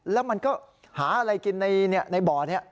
แล้วมันก็หาอะไรกินในบ่อนี้